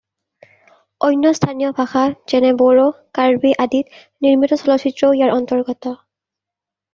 অন্য স্থানীয় ভাষা, যেনে- বড়ো, কাৰ্বি আদিত নিৰ্মিত চলচ্চিত্ৰও ইয়াৰ অন্তৰ্গত।